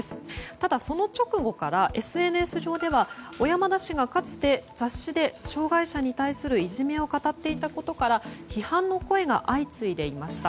ただ、その直後からＳＮＳ上では小山田氏がかつて雑誌で障害者に対するいじめを語っていたことから批判の声が相次いでいました。